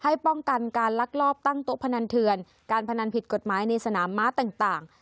ป้องกันการลักลอบตั้งโต๊ะพนันเถื่อนการพนันผิดกฎหมายในสนามม้าต่าง